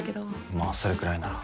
まあそれくらいなら。